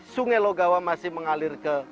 sungai logawa masih mengalir ke